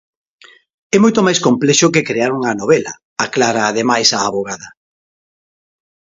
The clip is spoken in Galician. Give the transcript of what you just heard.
"É moito máis complexo que crear unha novela", aclara ademais a avogada.